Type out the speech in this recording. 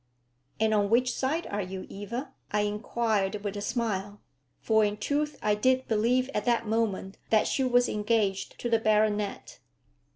"And on which side are you, Eva?" I inquired with a smile. For in truth I did believe at that moment that she was engaged to the baronet.